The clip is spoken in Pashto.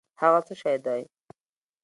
هٔغه څه شی دی؟